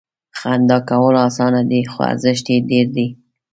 • خندا کول اسانه دي، خو ارزښت یې ډېر دی.